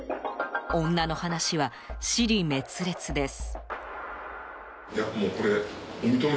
女の話は支離滅裂です。